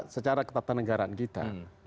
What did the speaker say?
secara ketatanegaraan kita